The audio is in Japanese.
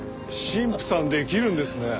神父さんできるんですね。